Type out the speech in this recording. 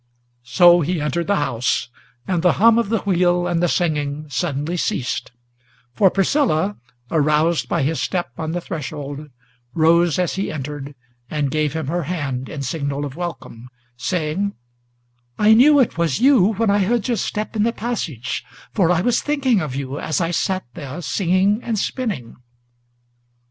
So he entered the house: and the hum of the wheel and the singing Suddenly ceased; for Priscilla, aroused by his step on the threshold, Rose as he entered, and gave him her hand, in signal of welcome, Saying, "I knew it was you, when I heard your step in the passage; For I was thinking of you, as I sat there singing and spinning."